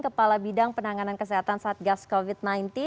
kepala bidang penanganan kesehatan saat gas covid sembilan belas